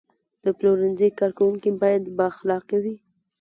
د پلورنځي کارکوونکي باید بااخلاقه وي.